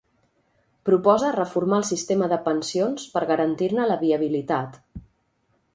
Proposa reformar el sistema de pensions per garantir-ne la viabilitat.